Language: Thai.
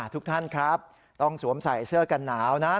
ทุกท่านครับต้องสวมใส่เสื้อกันหนาวนะ